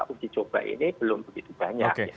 uji coba ini belum begitu banyak